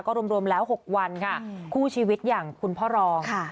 รวมแล้ว๖วันค่ะคู่ชีวิตอย่างคุณพ่อรอง